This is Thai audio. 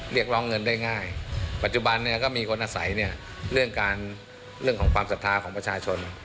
เรียกรองเงินได้ง่ายปัจจุบันก็มีคนอาศัยเรื่องของความศรัทธาของประชาชน